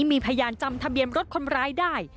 มีพยานจำทะเบียนรถคนร้ายได้